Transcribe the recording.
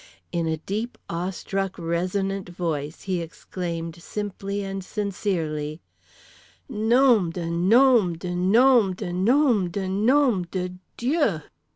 In a deep awe struck resonant voice he exclaimed simply and sincerely: "_Nom de nom de nom de nom de nom de DIEU!